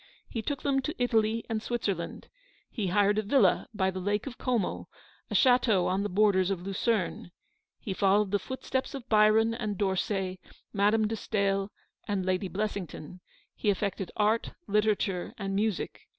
He took them to Italy and Switzerland. He hired a villa by the Lake of Como ; a chateau on the borders of Lucerne. He followed the footsteps of Byron and D'Orsay, Madame de Stael and Lady Blessington ; he affected art, literature, and music.